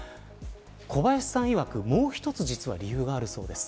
小林さんいわくもう１つ実は理由があるそうです。